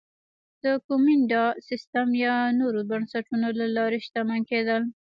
د کومېنډا سیستم یا نورو بنسټونو له لارې شتمن کېدل